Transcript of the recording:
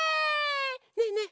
ねえねえ